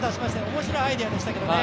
面白いアイデアでしたけどね。